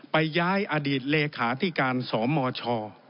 ไปย้ายอดีตเลขาธิการสมช